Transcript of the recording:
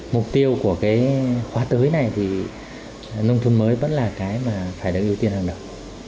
mục tiêu của cái khóa tới này thì nông thôn mới vẫn là cái mà phải được ưu tiên hàng đầu